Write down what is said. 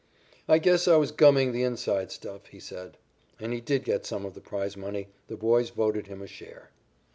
"I guess I was 'gumming' the inside stuff," he said. And he did get some of the prize money. The boys voted him a share.